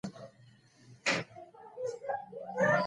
هېڅکله بریا ته نۀ رسېږو. هغوی به زموږ په ماتېدو خوشحاله شي